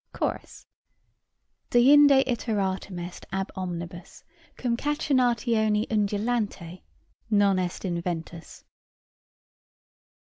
CHORUS. "Deinde iteratum est ab omnibus, cum cachinnatione undulante Non est inventus."